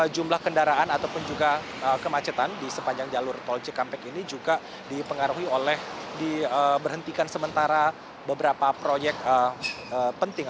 jumlah kendaraan ataupun juga kemacetan di sepanjang jalur tol cikampek ini juga dipengaruhi oleh diberhentikan sementara beberapa proyek penting